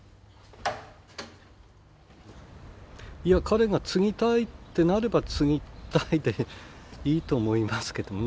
いや彼が継ぎたいってなれば継ぎたいでいいと思いますけどね。